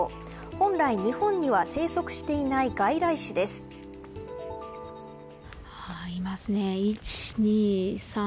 本来、日本には生息していないいますね。